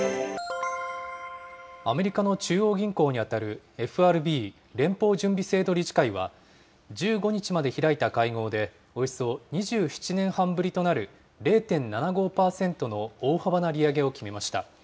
アメリカの中央銀行に当たるＦＲＢ・連邦準備制度理事会は、１５日まで開いた会合で、およそ２７年半ぶりとなる０．７５％の大幅な利上げを決めました。